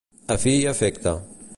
A fi i efecte.